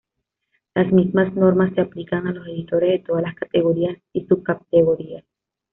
Las mismas normas se aplican a los editores de todas las categorías y subcategorías.